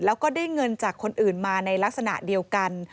แล้วก็ได้เงินจากคนอื่นมาในลักษณะเดียวกัน